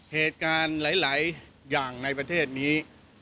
เหตุการณ์หลายอย่างในประเทศนี้